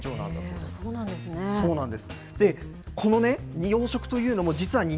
そうなんです。